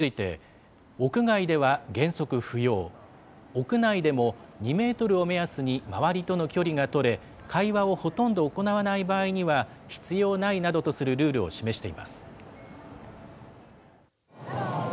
政府はマスクの着用について、屋外では原則不要、屋内でも２メートルを目安に周りとの距離がとれ、会話をほとんど行わない場合には、必要ないなどとするルールを示しています。